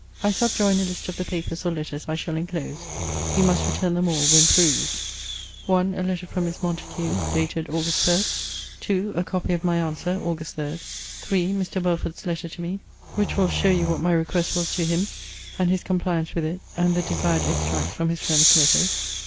I subjoin a list of the papers or letters I shall enclose. You must return them all when perused.* * 1. A letter from Miss Montague, dated .... Aug. 1. 2. A copy of my answer ........... Aug. 3. 3. Mr. Belford's Letter to me, which will show you what my request was to him, and his compliance with it; and the desired ex tracts from his friend's letters